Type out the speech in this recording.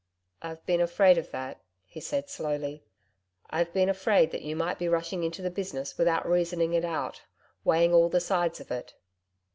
'I've been afraid of that,' he said slowly. I've been afraid that you might be rushing into the business without reasoning it out weighing all the sides of it.'